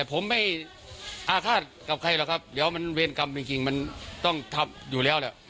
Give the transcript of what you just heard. ผมไม่อาฆาตกับใครหรอกครับเดี๋ยวมันเวรกรรมจริงมันต้องทำอยู่แล้วแหละ